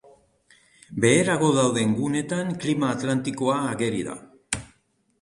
Beherago dauden guneetan klima atlantikoa ageri da.